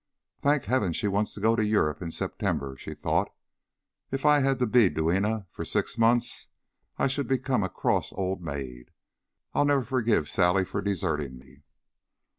"Thank heaven she wants to go to Europe in September," she thought. "If I had to be duenna for six months, I should become a cross old maid. I'll never forgive Sally for deserting me."